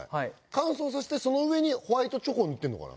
乾燥させてその上にホワイトチョコを塗ってるのかな？